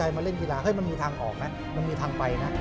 มันมีทางออกมันมีทางไป